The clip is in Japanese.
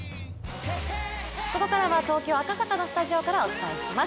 ここからは東京・赤坂のスタジオからお届けします。